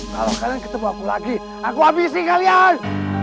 kalau kalian ketemu aku lagi aku ambisi kalian